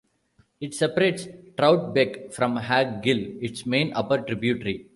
It separates Trout Beck from Hagg Gill, its main upper tributary.